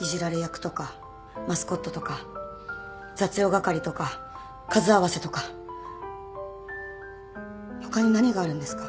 いじられ役とかマスコットとか雑用係とか数合わせとか他に何があるんですか？